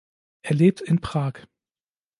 Er lebt in Prag.